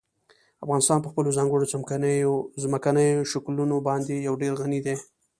افغانستان په خپلو ځانګړو ځمکنیو شکلونو باندې یو ډېر غني دی.